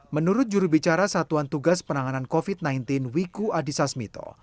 menurut jurubicara satuan tugas penanganan covid sembilan belas wiku adhisa smito